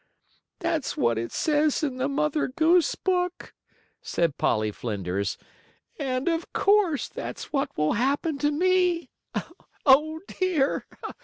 "That's what it says in the Mother Goose book," said Polly Flinders, "and, of course, that's what will happen to me. Oh, dear!